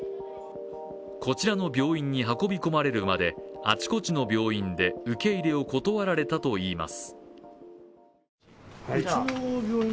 こちらの病院に運び込まれるまであちこちの病院で受け入れを断られたといいます。